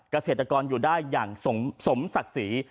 เกษตรกรอยู่ได้อย่างสมศักดิ์ศรี